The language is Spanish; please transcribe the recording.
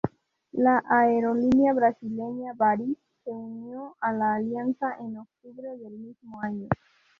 La aerolínea brasileña Varig se unió a la alianza en octubre del mismo año.